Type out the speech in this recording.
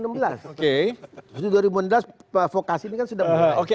setelah itu dua ribu sebelas vokasi ini kan sudah mulai